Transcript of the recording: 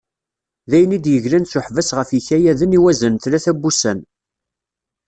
Dayen i d-yeglan s uḥbas ɣef yikayaden i wazal n tlata n wussan.